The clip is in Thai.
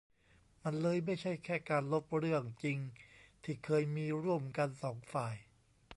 มันเลยไม่ใช่แค่การลบเรื่องจริงที่เคยมีร่วมกันสองฝ่าย